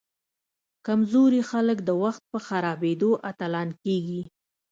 کمزوري خلک د وخت په خرابیدو اتلان کیږي.